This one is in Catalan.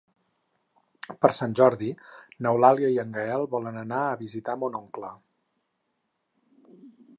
Per Sant Jordi n'Eulàlia i en Gaël volen anar a visitar mon oncle.